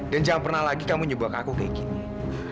dan jangan pernah lagi kamu nyebak aku kayak gini